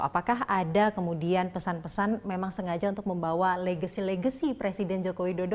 apakah ada kemudian pesan pesan memang sengaja untuk membawa legasi legasi presiden jokowi dodo